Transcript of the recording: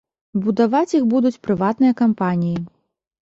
Будаваць іх будуць прыватныя кампаніі.